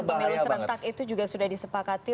pemilu serentak itu juga sudah disepakati